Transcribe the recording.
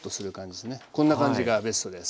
こんな感じがベストです。